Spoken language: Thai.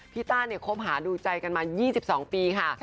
พี่ต้านครบหาดูใจกันมา๒๒ปีค่ะ